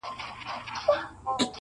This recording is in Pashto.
• هر کور کي لږ غم شته او لږ چوپتيا..